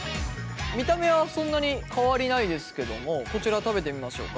見た目はそんなに変わりないですけどもこちら食べてみましょうか。